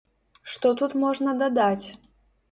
Што тут можна дадаць?!